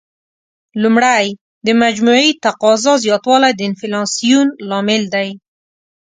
لومړی: د مجموعي تقاضا زیاتوالی د انفلاسیون لامل دی.